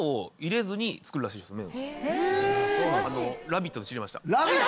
『ラヴィット！』で知りました。